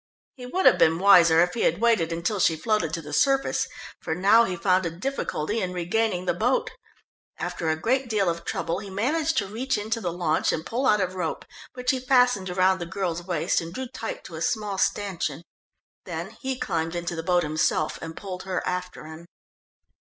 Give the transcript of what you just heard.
He would have been wiser if he had waited until she floated to the surface, for now he found a difficulty in regaining the boat. After a great deal of trouble, he managed to reach into the launch and pull out a rope, which he fastened round the girl's waist and drew tight to a small stanchion. Then he climbed into the boat himself, and pulled her after him.